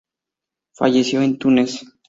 Falleció en Túnez